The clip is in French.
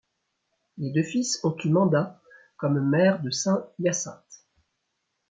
Les deux fils ont eu mandats comme maires de Saint-Hyacinthe.